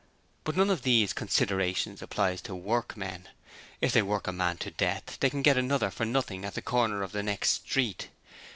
But none of these considerations applies to workmen. If they work a man to death they can get another for nothing at the corner of the next street.